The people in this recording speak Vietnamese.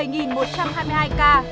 bình dương hai ca